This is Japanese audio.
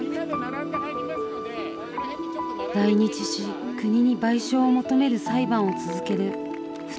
来日し国に賠償を求める裁判を続ける２人の妹。